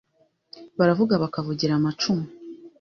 Baravuga bakavugira amacumu